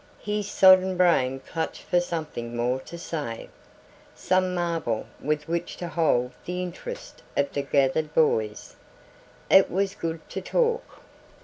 His sodden brain clutched for something more to say, some marvel with which to hold the interest of the gathered boys. It was good to talk.